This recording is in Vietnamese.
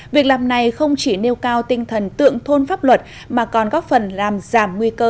việc làm này không chỉ nêu cao tinh thần tượng thôn pháp luật mà còn góp phần làm giảm nguy cơ